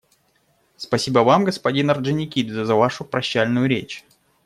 Спасибо Вам, господин Орджоникидзе, за вашу прощальную речь.